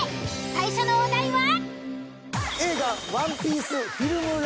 最初のお題は？